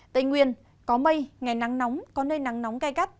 tây nguyên có mây ngày nắng nóng có nơi nắng nóng cay cắt